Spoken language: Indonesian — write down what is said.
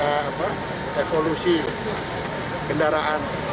jadi karena seperti inilah evolusi kendaraan